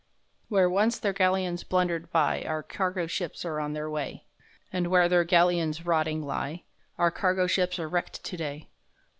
Where once their galleons blundered by Our cargo ships are on their way, And where their galleons rotting lie, Our cargo ships are wrecked today.